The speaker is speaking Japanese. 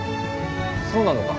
そうなのか。